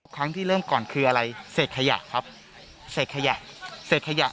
ครั้งที่เริ่มก่อนคืออะไรเสร็จขยะครับเสร็จขยะเสร็จขยะ